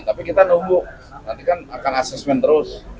tapi kita nunggu nanti kan akan assessment terus